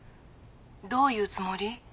どういうつもり？